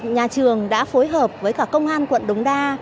nhà trường đã phối hợp với cả công an quận đống đa